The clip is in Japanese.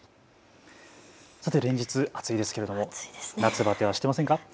連日、暑いですけれども夏バテ、していませんか。